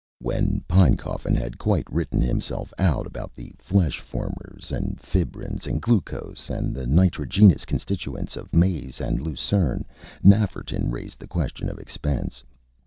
When Pinecoffin had quite written himself out about flesh formers, and fibrins, and glucose and the nitrogenous constituents of maize and lucerne, Nafferton raised the question of expense.